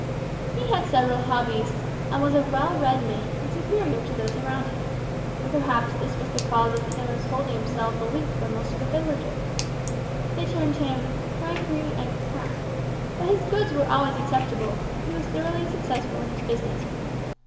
He had several hobbies, and was a well read man and superior to those around him; and perhaps this was the cause of his holding himself aloof from most of the villagers. They termed him "cranky and cracked," but his goods were always acceptable, and he was thoroughly successful in his business.